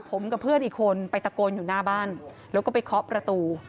ผมกับเพื่อนอีกคนไปตะโกนอยู่หน้าบ้านแล้วก็ไปเคาะประตู